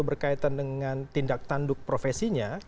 berkaitan dengan tindak tanduk profesinya